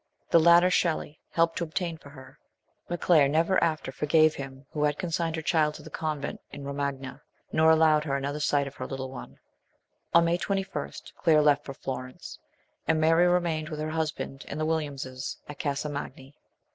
The latter Shelley helped to obtain for her; but Claire never after forgave him who had consigned her child to the convent in the Romagna, nor allowed her another sight of her little one. On May 21 Claire left for Florence, and Mary remained with her husband and the Williamses at Casa Magni.